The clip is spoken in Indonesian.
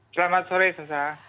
selamat sore sosa